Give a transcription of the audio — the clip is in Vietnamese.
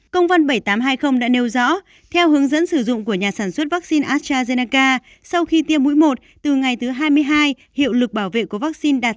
công văn bảy nghìn tám trăm hai mươi đã nêu rõ theo hướng dẫn sử dụng của nhà sản xuất vaccine astrazeneca sau khi tiêm mũi một từ ngày thứ hai mươi hai hiệu lực bảo vệ của vaccine đạt chín